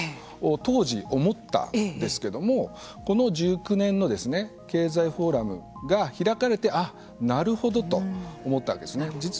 当時思ったんですけどもこの１９年の経済フォーラムが開かれて、ああ、なるほどと思ったわけですね。